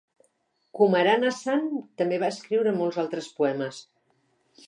Kumaran Asan també va escriure molts altres poemes.